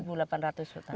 ya satu delapan ratus petani